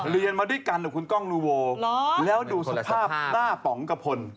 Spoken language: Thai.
เรียนมาด้วยกันกับคุณกล้องลูโวแล้วดูสภาพหน้าป๋องกระพล